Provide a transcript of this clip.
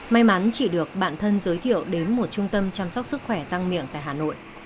may mắn chỉ được bạn thân giới thiệu đến một trung tâm chăm sóc sức khỏe giang miệng tại hà nội